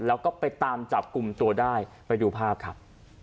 แล้วก็ไปตามจับกลุ่มตัวได้ไปดูภาพครับ